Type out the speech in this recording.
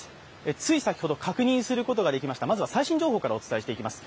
つい先ほど確認することができました、まずは最新情報からお伝えしていきます。